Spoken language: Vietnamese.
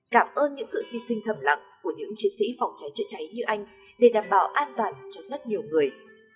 cảm ơn những sự hy sinh thầm lặng của những chiến sĩ phòng cháy chữa cháy như anh để đảm bảo an toàn cho rất nhiều người